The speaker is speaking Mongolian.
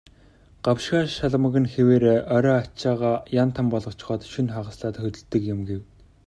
"Гавшгай шалмаг нь хэвээрээ, орой ачаагаа ян тан болгочхоод шөнө хагаслаад хөдөлдөг юм" гэв.